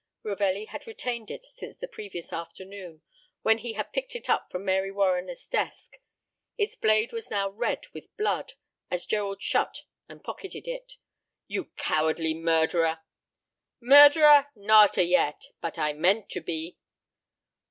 Ravelli had retained it since the previous afternoon, when he had picked it up from Mary Warriner's desk. Its blade was now red with blood, as Gerald shut and pocketed it. "You cowardly murderer!" "Murderer? Not a yet. But I meant to be."